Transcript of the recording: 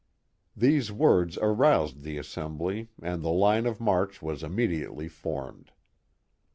These words aroused the assembly, and the lin^oT march was immediately formed.